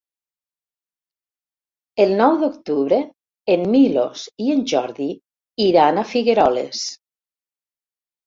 El nou d'octubre en Milos i en Jordi iran a Figueroles.